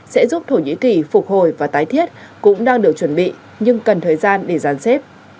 sẽ giúp thổ nhĩ kỳ phục hồi và tái thiết cũng đang được chuẩn bị nhưng cần thời gian để giàn xếp